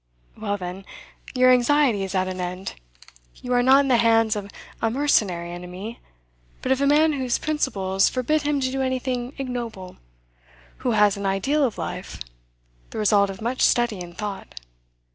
Well, then, your anxiety is at an end. You are not in the hands of a mercenary enemy, but of a man whose principles forbid him to do anything ignoble, who has an ideal of life, the result of much study and thought.